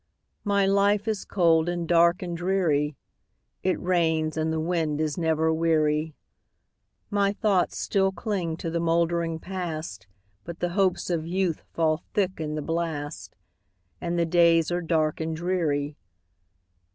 My life is cold, and dark, and dreary; It rains, and the wind is never weary; My thoughts still cling to the moldering Past, But the hopes of youth fall thick in the blast, And the days are dark and dreary.